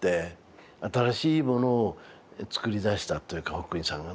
新しいものを作り出したというかホックニーさんがね。